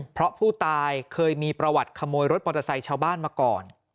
เพราะผู้ตายเคยมีประวัติขโมยรถปลอดศัยชาวบ้านมาก่อน